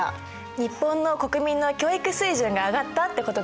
日本の国民の教育水準が上がったってことだね。